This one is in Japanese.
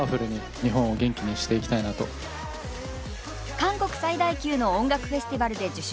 韓国最大級の音楽フェスティバルで受賞！